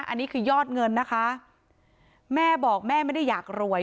อันนี้คือยอดเงินนะคะแม่บอกแม่ไม่ได้อยากรวย